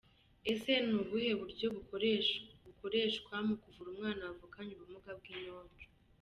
Ese ni ubuhe buryo bukoreshwa mu kuvura umwana wavukanye ubumuga bw’inkonjo?.